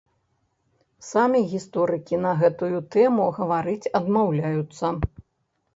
Самі гісторыкі на гэтую тэму гаварыць адмаўляюцца.